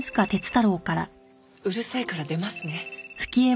うるさいから出ますね。